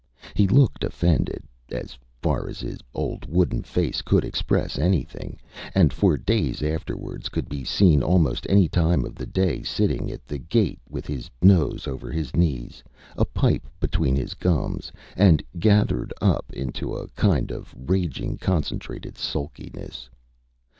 He looked offended as far as his old wooden face could express anything; and for days afterwards could be seen, almost any time of the day, sitting at the gate, with his nose over his knees, a pipe between his gums, and gathered up into a kind of raging concentrated sulkiness.